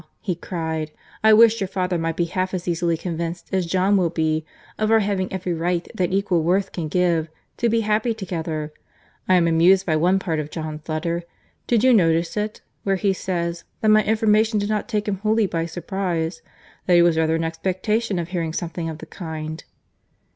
he cried, "I wish your father might be half as easily convinced as John will be, of our having every right that equal worth can give, to be happy together. I am amused by one part of John's letter—did you notice it?—where he says, that my information did not take him wholly by surprize, that he was rather in expectation of hearing something of the kind."